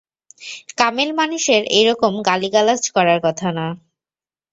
কামেল মানুষের এই রকম গালিগালাজ করার কথা না।